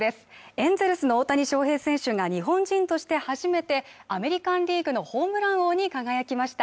エンゼルスの大谷翔平選手が日本人として初めてアメリカン・リーグのホームラン王に輝きました。